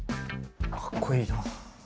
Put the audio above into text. かっこいいな。